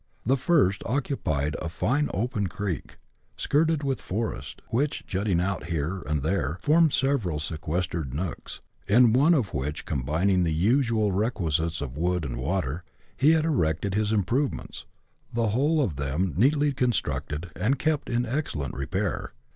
147 The first occupied part of a fine open creek, skirted with forest, which, jutting out here and there, formed several sequestered nooks, in one of which, combining the usual requisites of wood and water, he had erected his improvements, the whole of them neatly constructed, and kept in excellent repair.